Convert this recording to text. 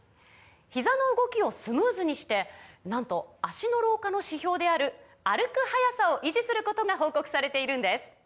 ひざの動きをスムーズにしてなんと脚の老化の指標である歩く速さを維持することが報告されているんです